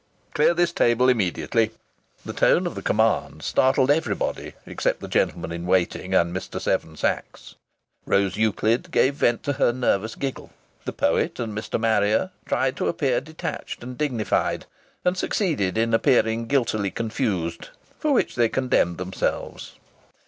"Clear this table immediately!" The tone of the command startled everybody except the gentlemen in waiting and Mr. Seven Sachs. Rose Euclid gave vent to her nervous giggle. The poet and Mr. Marrier tried to appear detached and dignified, and succeeded in appearing guiltily confused for which they contemned themselves.